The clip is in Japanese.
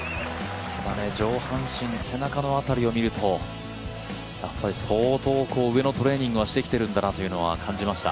上半身、背中の辺りを見るとやっぱり相当上のトレーニングはしてきてるんだなと思いました。